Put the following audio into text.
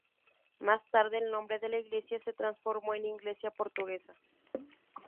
Más tarde, el nombre de la iglesia se transformó en "Iglesia portuguesa".